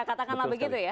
katakanlah begitu ya